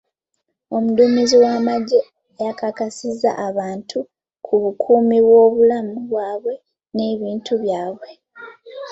Omuduumizi w'amagye yakakasizza abantu ku bukuumi bw'obulamu bwabwe n'ebintu byabwe.